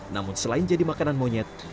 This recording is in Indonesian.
namun selain jadi makanan monyet